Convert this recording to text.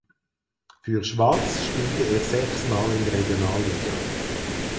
Für Schwaz spielte er sechs Mal in der Regionalliga.